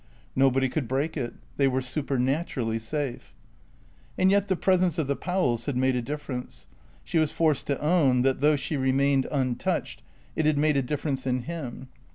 Nobody could break it. They were supernaturally safe. And yet the presence of the Powells had made a difference. She was forced to own that, though she remained untouched, it had made a difference in him.